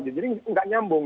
jadi gak nyambung